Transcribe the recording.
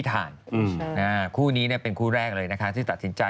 กลัวว่าผมจะต้องไปพูดให้ปากคำกับตำรวจยังไง